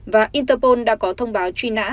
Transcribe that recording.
và interpol đã có thông báo truy nã